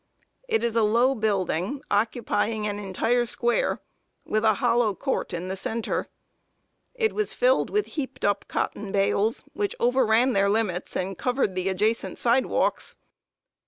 It is a low building, occupying an entire square, with a hollow court in the center. It was filled with heaped up cotton bales, which overran their limits and covered the adjacent sidewalks.